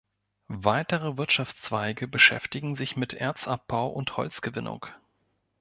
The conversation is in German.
Weitere Wirtschaftszweige beschäftigen sich mit Erzabbau und Holzgewinnung.